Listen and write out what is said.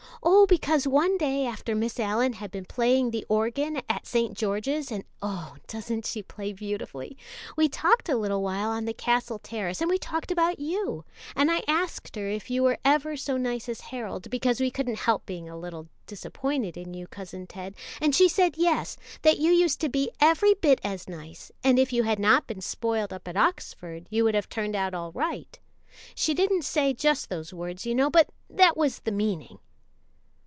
"Oh, because one day after Miss Allyn had been playing the organ in St. George's and oh! doesn't she play beautifully! we talked a little while on the Castle terrace, and we talked about you, and I asked her if you were ever so nice as Harold, because we couldn't help being a little disappointed in you, Cousin Ted, and she said yes, that you used to be every bit as nice, and if you had not been spoiled up at Oxford you would have turned out all right. She didn't say just those words, you know, but that was the meaning."